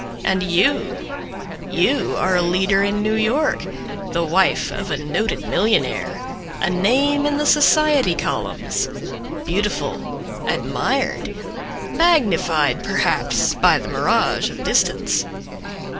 And you, you are a leader in New York, The wife of a noted millionaire, A name in the society columns, Beautiful, admired, magnified perhaps By the mirage of distance.